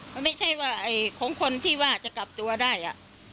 มันไม่ใช่ว่าของคนที่ว่าจะกลับตัวได้